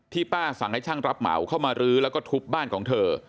ป้าสั่งให้ช่างรับเหมาเข้ามารื้อแล้วก็ทุบบ้านของเธอ